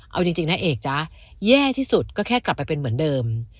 เอาจริงนะเอกจ๊ะแย่ที่สุดก็แค่กลับไปเป็นเหมือนเดิม